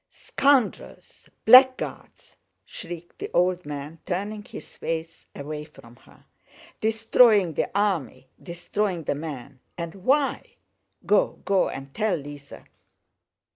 "Scoundrels! Blackguards!" shrieked the old man, turning his face away from her. "Destroying the army, destroying the men! And why? Go, go and tell Lise."